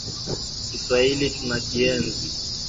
Kiswahili tunakienzi.